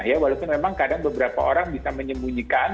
ya walaupun memang kadang beberapa orang bisa menyembunyikan